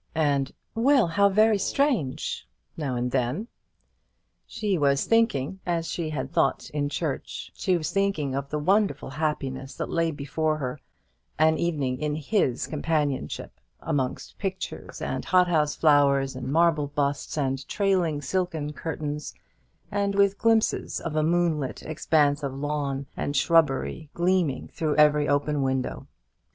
and "Well, how very strange!" now and then. But she was thinking as she had thought in church; she was thinking of the wonderful happiness that lay before her, an evening in his companionship, amongst pictures and hothouse flowers and marble busts and trailing silken curtains, and with glimpses of a moonlit expanse of lawn and shrubbery gleaming through every open window.